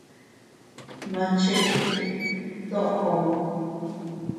Ma cheʼe toʼo.